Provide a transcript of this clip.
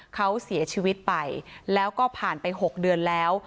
เขาเสียชีวิตไปแล้วก็ผ่านไป๖เดือนแล้ว